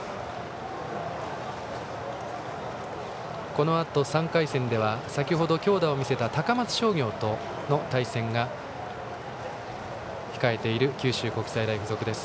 このあと、３回戦では先程、強打を見せた高松商業との対戦が控えます、九州国際大付属。